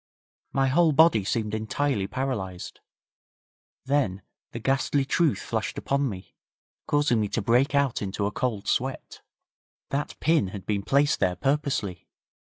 My whole body seemed entirely paralysed. Then the ghastly truth flashed upon me, causing me to break out into a cold sweat. That pin had been placed there purposely.